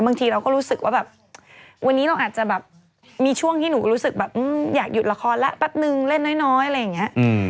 บางทีเราก็รู้สึกว่าแบบวันนี้เราอาจจะแบบมีช่วงที่หนูรู้สึกแบบอยากหยุดละครแล้วแป๊บนึงเล่นน้อยอะไรอย่างนี้